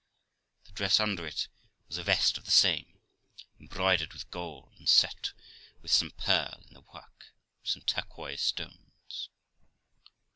The dress under it was a vest of the same, embroidered with gold, and set with some pearl in the work, and some turquoise stones.